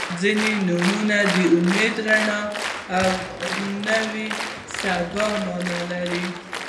• ځینې نومونه د امید، رڼا او نوې سبا معنا لري.